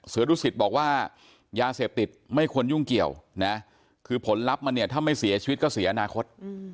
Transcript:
ดุสิตบอกว่ายาเสพติดไม่ควรยุ่งเกี่ยวนะคือผลลัพธ์มันเนี่ยถ้าไม่เสียชีวิตก็เสียอนาคต